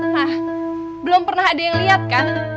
nah belum pernah ada yang lihat kan